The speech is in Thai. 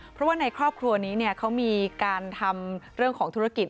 เพราะว่าในครอบครัวนี้เขามีการทำเรื่องของธุรกิจ